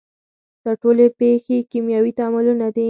دا ټولې پیښې کیمیاوي تعاملونه دي.